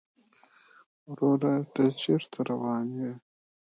وروره چېرته روان يې؟